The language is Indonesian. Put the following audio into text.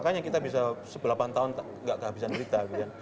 makanya kita bisa sebelapan tahun tidak kehabisan cerita